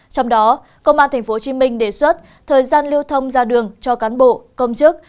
trong đó công an tp hcm đề xuất thời gian lưu thông ra đường cho cán bộ công chức